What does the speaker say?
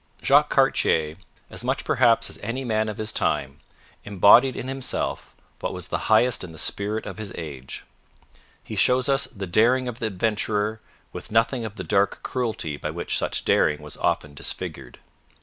Jacques Cartier, as much perhaps as any man of his time, embodied in himself what was highest in the spirit of his age. He shows us the daring of the adventurer with nothing of the dark cruelty by which such daring was often disfigured.